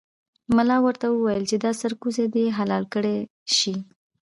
ملا ورته وویل چې دا سرکوزی دې حلال کړای شي.